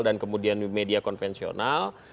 dan kemudian media konvensional